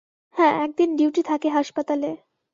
হ্যাঁ, একদিন ডিউটি থাকে হাসপাতালে।